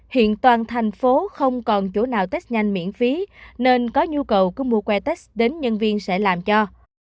hiện toàn thành phố không còn chỗ nào test nhanh miễn phí nên có nhu cầu cứ mua que test đến nhân viên sẽ làm cho